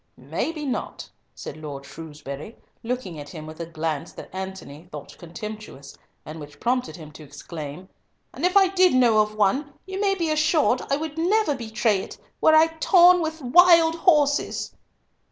"May be not," said Lord Shrewsbury, looking at him with a glance that Antony thought contemptuous, and which prompted him to exclaim, "And if I did know of one, you may be assured I would never betray it were I torn with wild horses."